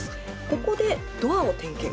ここでドアを点検。